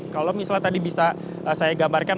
kalau misalnya tadi bisa saya gambarkan